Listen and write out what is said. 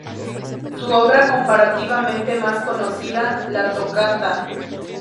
Su obra comparativamente más conocida, la "Toccata, op.